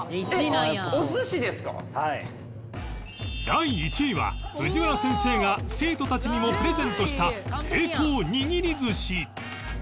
第１位は藤原先生が生徒たちにもプレゼントした冷凍握り寿司